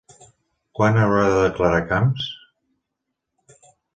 Quan haurà de declarar Camps?